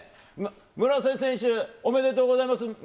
村瀬選手、おめでとうございます。